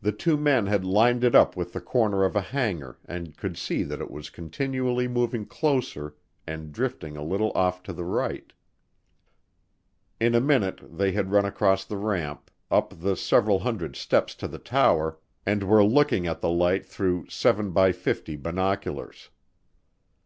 The two men had lined it up with the corner of a hangar and could see that it was continually moving closer and drifting a little off to the right. In a minute they had run across the ramp, up the several hundred steps to the tower, and were looking at the light through 7x50 binoculars.